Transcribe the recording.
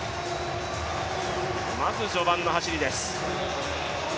まず序盤の走りです。